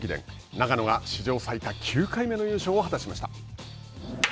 長野が史上最多９回目の優勝を果たしました。